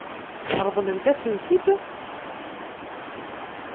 Ṛeḍlent-asen-t-id?